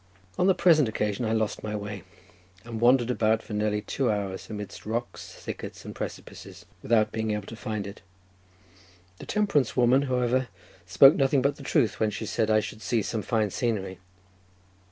On the present occasion I lost my way, and wandered about for nearly two hours amidst rocks, thickets, and precipices, without being able to find it. The temperance woman, however, spoke nothing but the truth, when she said I should see some fine scenery.